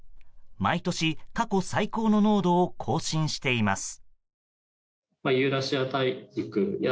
毎年、過去最高の濃度を更新しています。